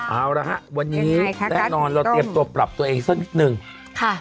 เอาละฮะวันนี้แน่นอนเราเตรียมตัวปรับตัวเองสักนิดนึงค่ะ